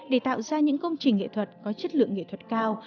để tạo ra những công trình nghệ thuật có chất lượng nghệ thuật cao